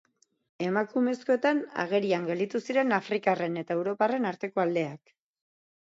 Emakumezkoetan agerian gelditu ziren afrikarren eta europarren arteko aldeak.